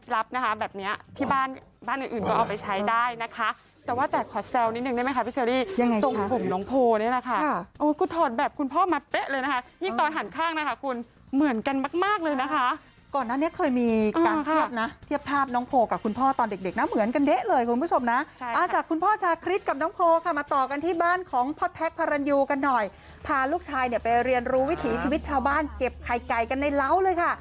รับนะคะแบบนี้ที่บ้านอื่นก็เอาไปใช้ได้นะคะแต่ว่าแต่ขอแซวนิดนึงได้ไหมคะพี่ชวรีตรงผมน้องโพนี่นะคะกูถอดแบบคุณพ่อมาเป๊ะเลยนะคะยิ่งตอนหันข้างนะคะคุณเหมือนกันมากเลยนะคะก่อนนั้นเนี่ยเคยมีการเทียบนะเทียบภาพน้องโพกับคุณพ่อตอนเด็กนะเหมือนกันเด๊ะเลยคุณผู้ชมนะอาจจะคุณพ่อชาคริสกับน้องโพค่ะมาต่อกันท